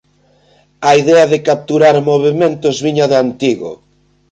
A idea de capturar movementos viña de antigo.